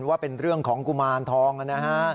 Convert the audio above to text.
ว่าเป็นเรื่องของกุมารทองนะฮะ